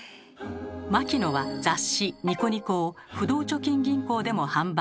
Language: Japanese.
牧野は雑誌「ニコニコ」を不動貯金銀行でも販売。